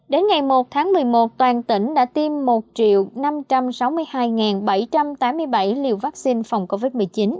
đến ngày một tháng một mươi một toàn tỉnh đã tiêm một năm trăm sáu mươi hai bảy trăm tám mươi bảy liều vaccine phòng covid một mươi chín